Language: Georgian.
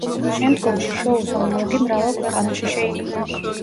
შემდგომში შოუს ანალოგი მრავალ ქვეყანაში შეიქმნა.